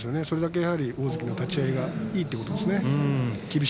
それだけ大関の立ち合いがいいということですね。